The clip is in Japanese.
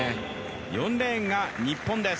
４レーンが日本です。